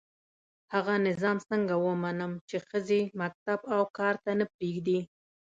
هغه نظام څنګه ومنم چي ښځي مکتب او کار ته نه پزېږدي